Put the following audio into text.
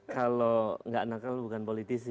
kalau nggak nakal bukan politisi